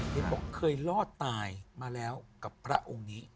เห็นบอกเคยรอดตายมาแล้วกับพระองค์นี้